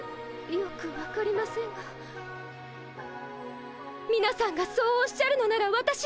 よく分かりませんがみなさんがそうおっしゃるのならわたし